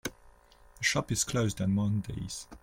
The shop is closed on Mondays.